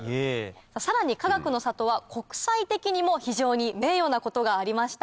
さらにかがくの里は国際的にも非常に名誉なことがありました。